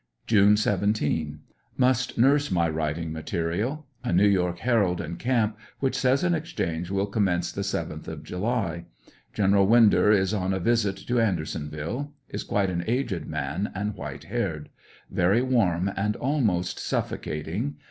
June 17. — Must nurse my writing material. A New York Herald in camp, which says an exchange will commence the 7th of July. Gen. Winder is on a visit to Andersonville Is quite an aged man, and white haired. Yery warm and almost suffocating.